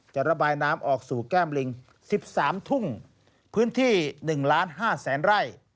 จะระบายน้ำออกสู่แก้มลิง๑๓ทุ่งพื้นที่๑ล้าน๕แสนไร่